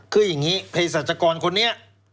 คืออย่างนี้เพศรัชกรคนนี้